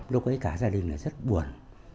lúc ấy cả gia đình là rất buồn